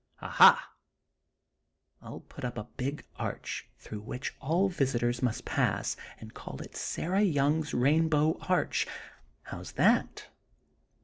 Aha! I'll put up a big arch, through which all visitors must pass, and call it 'Sarah Young's Rainbow Arch.' How's that?"